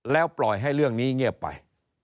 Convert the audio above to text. แล้วปล่อยให้เรื่องนี้เงียบไป